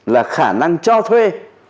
là khả năng cho thuê